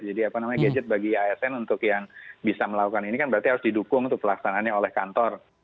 jadi apa namanya gadget bagi asn untuk yang bisa melakukan ini kan berarti harus didukung untuk pelaksanaannya oleh kantor